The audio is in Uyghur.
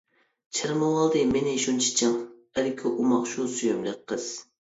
چىرمىۋالدى مېنى شۇنچە چىڭ، ئەركە، ئوماق شۇ سۆيۈملۈك قىز.